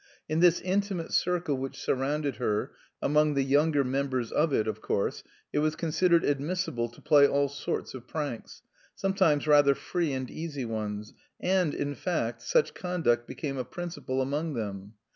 In this intimate circle which surrounded her, among the younger members of it, of course, it was considered admissible to play all sorts of pranks, sometimes rather free and easy ones, and, in fact, such conduct became a principle among them.